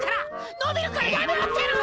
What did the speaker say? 伸びるからやめろってぇの！